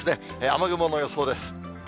雨雲の予想です。